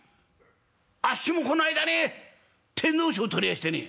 あっしもこの間ね天皇賞取りやしてね」。